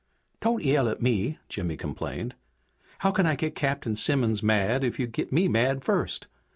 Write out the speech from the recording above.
"Don't yell at me!" Jimmy complained. "How can I get Captain Simmons mad if you get me mad first?